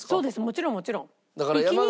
もちろんもちろん。